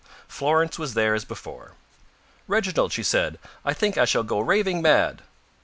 Florence was there as before. "Reginald," she said, "I think I shall go raving mad."